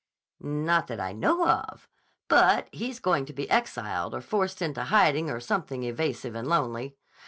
"Not that I know of. But he's going to be exiled or forced into hiding or something evasive and lonely.